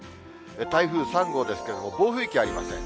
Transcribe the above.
台風３号ですけれども、暴風域ありません。